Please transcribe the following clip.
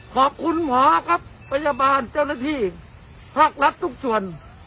ขอบคุณหมอครับพยาบาลเจ้าหน้าที่ภาครัฐทุกส่วน